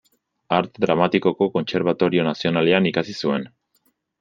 Arte Dramatikoko Kontserbatorio Nazionalean ikasi zuen.